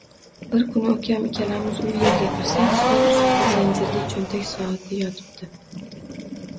Bir kuni ukam ikkalamiz u yerga kirsak, stol ustida zanjirli cho‘ntak soati yotibdi.